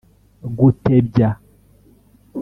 Gutebya